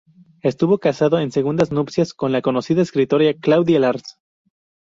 Estuvo casado en segundas nupcias con la conocida escritora Claudia Lars.